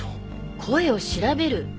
声を調べる？